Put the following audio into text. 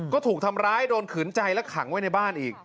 ก็ถูกทำร้ายโดนขืนใจและขังไว้ในบ้านอีก